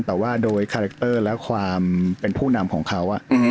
แต่ว่าโดยคาแรคเตอร์และความเป็นผู้นำของเขา